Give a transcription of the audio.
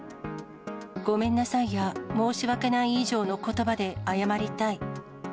ごめんなさいや、申し訳ない以上のことばで謝りたい。